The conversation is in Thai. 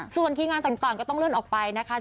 ส่วนทีมงานต่างก็ต้องเลื่อนออกไปนะคะ